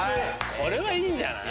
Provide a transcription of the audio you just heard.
これはいいんじゃない？